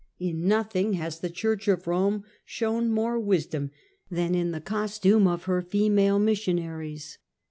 In nothing has the church of Rome shown more wisdom than in the cos tume of her female missionaries.